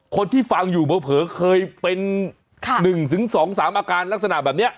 คนที่ฟังอยู่เผลอเคยเป็น๑๒๓อาการลักษณะแบบนี้